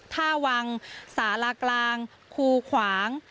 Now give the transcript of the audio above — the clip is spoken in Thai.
ท่าวังสาลากลางคูขวาง